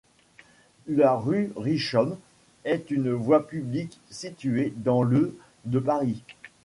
La rue Richomme est une voie publique située dans le de Paris.